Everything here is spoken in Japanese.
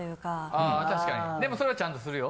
あ確かにでもそれはちゃんとするよ。